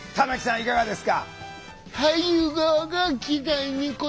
いかがですか？